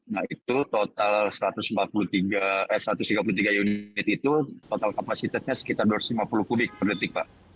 nah itu total satu ratus tiga puluh tiga unit itu total kapasitasnya sekitar dua ratus lima puluh kubik per detik pak